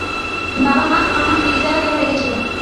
বাব, মা আমার নাম নির্জারা কেন রেখেছিল?